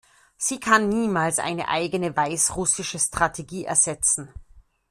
Sie kann niemals eine eigene weißrussische Strategie ersetzen.